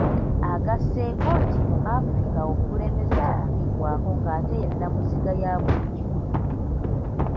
Agasseeko nti mu Africa obukulembeze tebufiibwako ng'ate yennamuziga yabuli kimu.